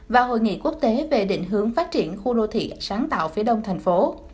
và hội nghị quốc tế về định hướng phát triển khu đô thị sáng tạo phía đông thành phố